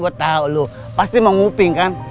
gue tau lu pasti mau nguping kan